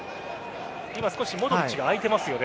今少しモドリッチが空いてますよね。